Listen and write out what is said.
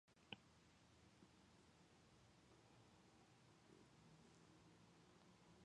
He is the uncle of Australian rugby league player Chris McQueen.